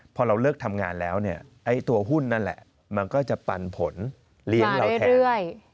พอเราเลิกทำงานแล้วเนี่ยไอ้ตัวหุ้นนั่นแหละมันก็จะปันผลเลี้ยงเราแทน